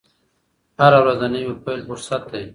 هره ورځ د نوي پیل فرصت دی.